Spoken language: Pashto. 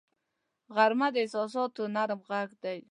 غرمه د احساساتو نرم غږ دی